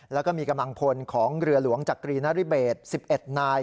แล้วก็มีกำลังพลของเรือหลวงจักรีนริเบศ๑๑นาย